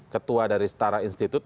ketua dari setara institute